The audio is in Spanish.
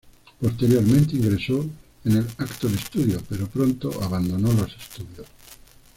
Posteriormente ingresó en el Actors Studio, pero pronto abandonó los estudios.